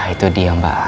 itu dia mbak